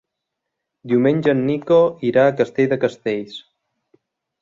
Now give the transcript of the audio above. Diumenge en Nico irà a Castell de Castells.